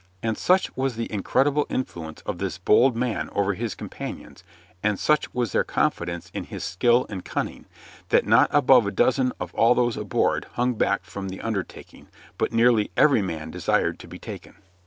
And such was the incredible influence of this bold man over his companions, and such was their confidence in his skill and cunning, that not above a dozen of all those aboard hung back from the undertaking, but nearly every man desired to be taken.